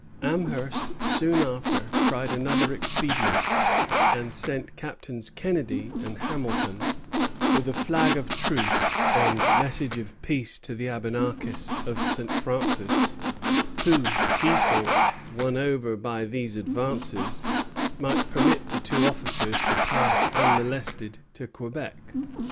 Amherst soon after tried another expedient, and sent Captains Kennedy and Hamilton with a flag of truce and a message of peace to the Abenakis of St. Francis, who, he thought, won over by these advances, might permit the two officers to pass unmolested to Quebec.